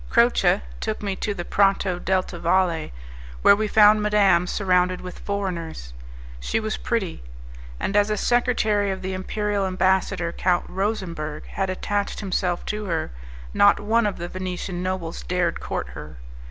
Croce took me to the Prato delta Valle, where we found madame surrounded with foreigners. She was pretty; and as a secretary of the imperial ambassador, Count Rosemberg, had attached himself to her, not one of the Venetian nobles dared court her.